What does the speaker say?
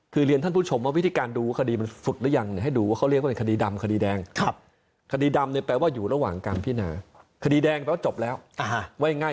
คือเรียนท่านผู้ชมวิธีการดูว่าคดีมันสุดหรือยัง